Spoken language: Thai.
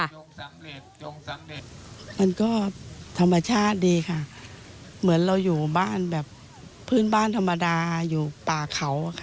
มันก็ธรรมชาติดีค่ะเหมือนเราอยู่บ้านแบบพื้นบ้านธรรมดาอยู่ป่าเขาค่ะ